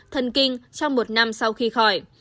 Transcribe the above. thần kinh trong một năm sau khi khỏi